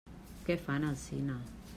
Què fan al cine?